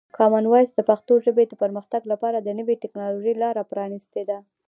کامن وایس د پښتو ژبې د پرمختګ لپاره د نوي ټکنالوژۍ لاره پرانیستې ده.